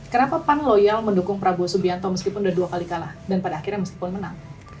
kenapa pan loyal mendukung prabowo subianto meskipun sudah dua kali kalah dan pada akhirnya meskipun menang